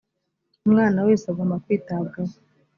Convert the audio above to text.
umwana wese agomba kwitabwaho.